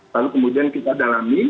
lalu kemudian kita dalami